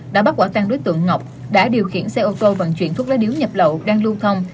đã bắt quả tăng đối tượng ngọc đã điều khiển xe ô tô vận chuyển thuốc lá điếu nhập lậu đang lưu thông